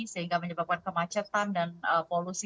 sehingga menyebabkan kemacetan dan polusi